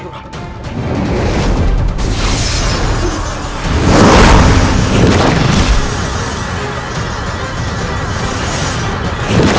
biar aku yang menghadapi ini